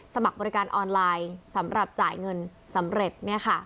สมัครบริการออนไลน์สำหรับจ่ายเงินสำเร็จเนี่ยค่ะ